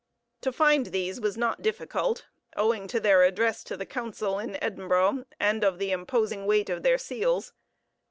To find these was not difficult, owing to their address to the council in Edinburgh, and of the imposing weight of their seals.